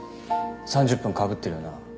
３０分かぶってるよな。